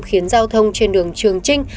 khiến giao thông trên đường trường trinh